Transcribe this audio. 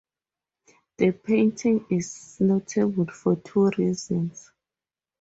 The painting is notable for two reasons.